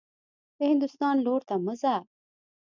د هندوستان لور ته مه ځه.